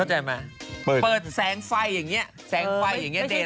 เข้าใจไหมเปิดแสงไฟอย่างเงี้ยแสงไฟอย่างเงี้ย